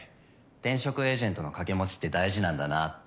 転職エージェントの掛け持ちって大事なんだなって